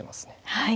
はい。